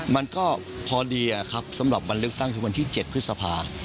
มันก็พอดีครับสำหรับวันเลือกตั้งคือวันที่๗พฤษภา